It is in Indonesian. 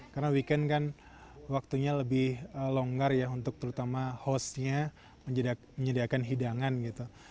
karena weekend kan waktunya lebih longgar ya untuk terutama hostnya menyediakan hidangan gitu